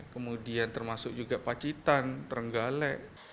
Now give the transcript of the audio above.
kemudian termasuk juga pacitan terenggalek